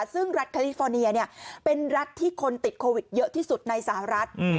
ซึ่งรัฐแคลิฟอร์เนียเป็นรัฐที่คนติดโควิดเยอะที่สุดในสหรัฐ